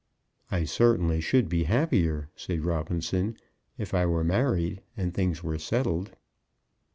"I certainly should be happier," said Robinson, "if I were married, and things were settled."